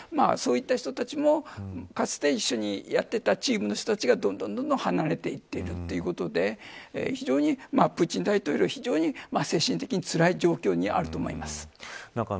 そうした人たちも、かつて一緒にやっていたチームの人たちがどんどん離れていっているということで非常に、プーチン大統領は精神的につらい状況にあると思います。